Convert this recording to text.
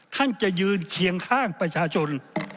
ท่านจะยืนเคียงข้างประชาชน